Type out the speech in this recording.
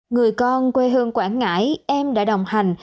người con quê hương quảng ngãi em đã đồng hành